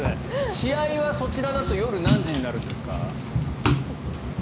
試合はそちらだと夜何時になるんですか？